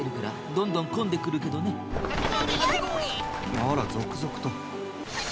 あら続々と。